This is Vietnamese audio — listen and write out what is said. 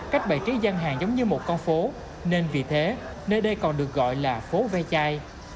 cách bày trí gian hàng giống như một con phố nên vì thế nơi đây còn được gọi là phố ve chai